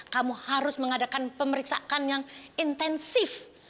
kamu harus mengadakan pemeriksaan yang intensif